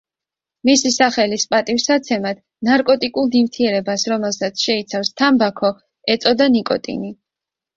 მისი სახელის პატივსაცემად ნარკოტიკულ ნივთიერებას, რომელსაც შეიცავს თამბაქო ეწოდა ნიკოტინი.